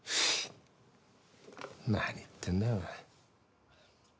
何言ってんだよお前。